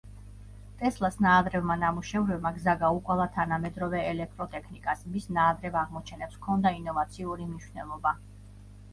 ტესლას ნაადრევმა ნამუშევრებმა გზა გაუკვალა თანამედროვე ელექტროტექნიკას, მის ნაადრევ აღმოჩენებს ჰქონდა ინოვაციური მნიშვნელობა.